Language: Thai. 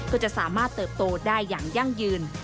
ก็จะสามารถเติบโตได้อย่างยั่งยืน